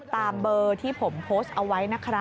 ตามเบอร์ที่ผมโพสต์เอาไว้นะครับ